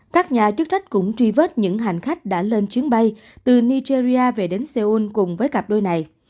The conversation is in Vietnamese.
các nhà chức trách cũng truy vết những hành khách đã lên chuyến bay từ nigeria về đến seoul cùng với cặp đôi này